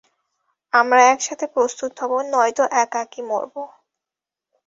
আমরা একসাথে প্রস্তুত হবো, নয়তো একাকী মরবো।